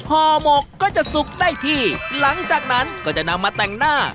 ห่อหมกก็จะสุกได้ที่หลังจากนั้นก็จะนำมาแต่งหน้า